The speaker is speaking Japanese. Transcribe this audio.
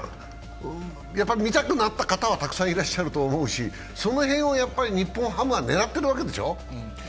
見たくなった方はたくさんいらっしゃると思うし、日本ハムはその辺りを狙っているわけでしょ。